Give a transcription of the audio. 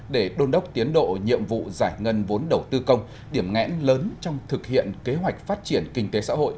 để đôn đốc tiến độ nhiệm vụ giải ngân vốn đầu tư công điểm ngẽn lớn trong thực hiện kế hoạch phát triển kinh tế xã hội